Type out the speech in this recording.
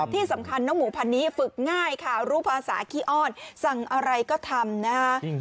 ที่สำคัญน้องหมูพันนี้ฝึกง่ายค่ะรู้ภาษาขี้อ้อนสั่งอะไรก็ทำนะคะ